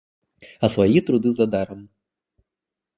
А свои труды задаром.